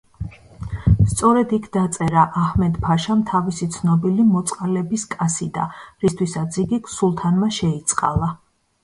სწორედ იქ დაწერა აჰმედ-ფაშამ თავისი ცნობილი „მოწყალების კასიდა“, რისთვისაც იგი სულთანმა შეიწყალა.